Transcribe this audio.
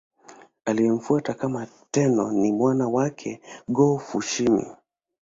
Aliyemfuata kama Tenno ni mwana wake Go-Fushimi.